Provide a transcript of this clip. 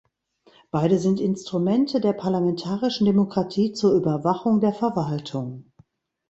Beide sind Instrumente der parlamentarischen Demokratie zur Überwachung der Verwaltung.